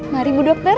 mari bu dokter